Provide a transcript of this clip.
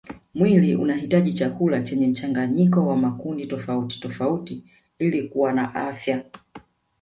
Mwili unahitaji chakula chenye mchanganyiko wa makundi tofauti tofauti ili kuwa na afya